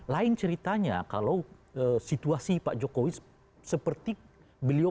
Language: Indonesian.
lain ceritanya kalau situasi pak jokowi seperti beliau